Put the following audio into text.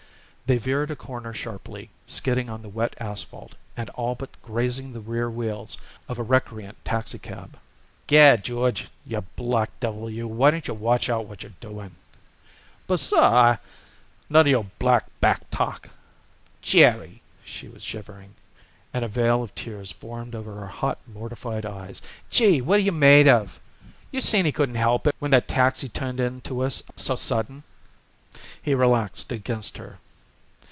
They veered a corner sharply, skidding on the wet asphalt and all but grazing the rear wheels of a recreant taxicab. "Gad, George! you black devil you, why don't you watch out what you're doing?" "But, suh, I " "None of your black back talk." "Jerry!" She was shivering, and a veil of tears formed over her hot, mortified eyes. "Gee! what are you made of? You seen he couldn't help it when that taxi turned into us so sudden." He relaxed against her.